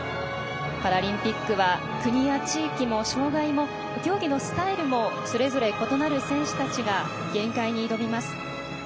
パラリンピックは国や地域も障がいも競技のスタイルもそれぞれ異なる選手たちが限界に挑みます。